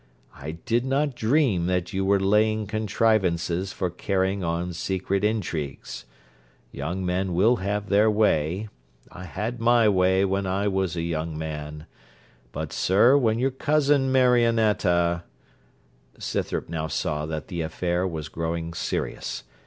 I did not dream that you were laying contrivances for carrying on secret intrigues. Young men will have their way: I had my way when I was a young man: but, sir, when your cousin Marionetta ' Scythrop now saw that the affair was growing serious.